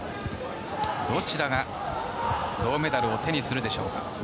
どちらが銅メダルを手にするでしょうか。